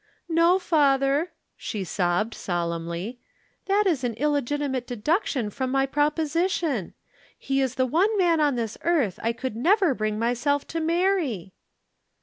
"No, father," she sobbed solemnly, "that is an illegitimate deduction from my proposition. He is the one man on this earth I could never bring myself to marry."